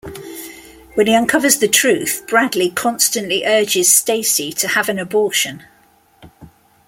When he uncovers the truth, Bradley constantly urges Stacey to have an abortion.